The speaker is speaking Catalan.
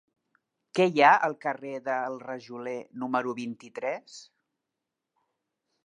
Què hi ha al carrer del Rajoler número vint-i-tres?